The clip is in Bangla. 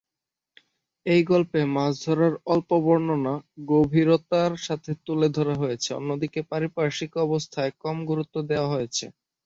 এই গল্পে মাছ ধরার অল্প বর্ণনা গভীরতার সাথে তুলে ধরা হয়েছে, অন্যদিকে পারিপার্শ্বিক অবস্থায় কম গুরুত্ব দেওয়া হয়েছে।